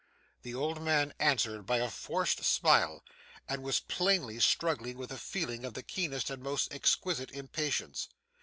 The old man answered by a forced smile, and was plainly struggling with a feeling of the keenest and most exquisite impatience.